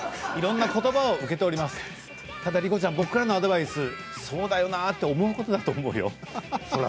でも莉子ちゃん僕らのアドバイスそうだなって思うと思うよ。